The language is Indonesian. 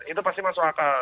itu pasti masuk akal